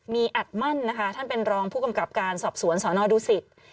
มีอัดมั่นนะคะท่านเป็นรองผู้กำกับการสอบสวนสนดูสิต